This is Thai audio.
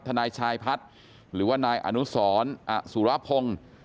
นายชายพัฒน์หรือว่านายอนุสรอสุรพงศ์